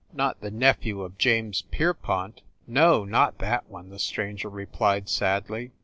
Not the nephew of James Pierpont?" "No, not that one!" the stranger replied, sadly.